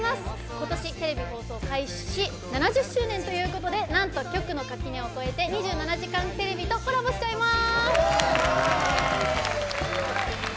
今年テレビ放送開始７０周年ということでなんと局の垣根を越えて「２７時間テレビ」とコラボしちゃいます！